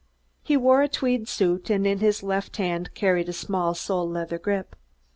He wore a tweed suit, and in his left hand carried a small sole leather grip.